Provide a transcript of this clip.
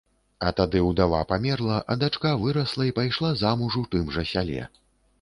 А тады ўдава памерла, а дачка вырасла і пайшла замуж у тым жа сяле.